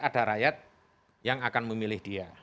ada rakyat yang akan memilih dia